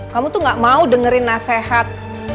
kamu tuh gak mau dengerin nasihat